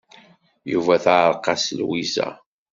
Yuba teɛreq-as Lwiza.